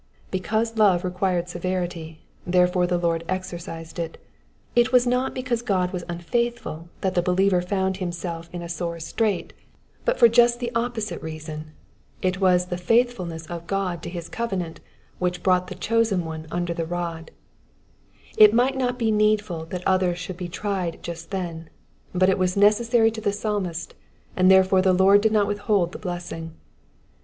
Because love required severity, therefore the Lord exercised it. It was not because God was unfaithful that the believer found himself in a sore strait, but for just Digitized by VjOOQIC PSALM ONE HUNDEED AKD NINETEBK — VERSES 73 TO 80. 183 the opposite reason : it was the faithfulness of God to his covenant which brought the chosen one under the rod. It might not be needful that others should be tried just then ; but it was necessary to the Psalmist, and therefore the Lord did not withhold the blessing.